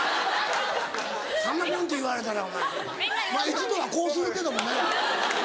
さんまぴょんって言われたらお前まぁ一度はこうするけどもな。